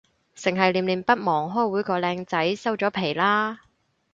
剩係念念不忘開會個靚仔，收咗皮喇